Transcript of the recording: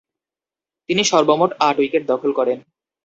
তিনি সর্বমোট আট উইকেট দখল করেন।